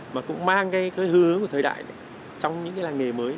mà cũng mang cái hư hướng của thời đại trong những cái làng nghề mới